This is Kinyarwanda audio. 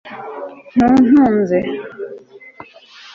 ntuntunze